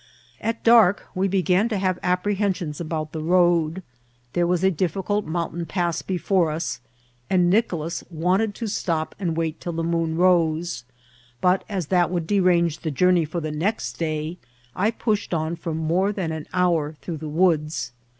At dark we began to have apprehensions about the road. There was a difficult monntain pass before ns, and Nic olas wanted to stop and wait till the moon rose ; but as that would derange the journey for the next day, I posh* •d on for more than an hour through the woods.